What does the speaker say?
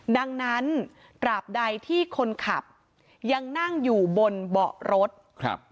ดังนั้นตราบใดที่คนขับยังนั่งอยู่บนเบาะรถครับ